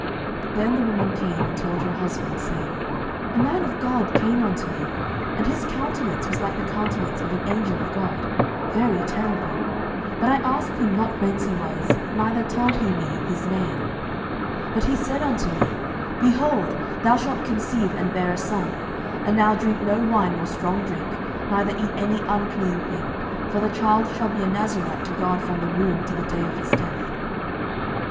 07:013:006 Then the woman came and told her husband, saying, A man of God came unto me, and his countenance was like the countenance of an angel of God, very terrible: but I asked him not whence he was, neither told he me his name: 07:013:007 But he said unto me, Behold, thou shalt conceive, and bear a son; and now drink no wine nor strong drink, neither eat any unclean thing: for the child shall be a Nazarite to God from the womb to the day of his death.